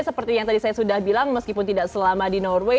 seperti yang tadi saya sudah bilang meskipun tidak selama di norway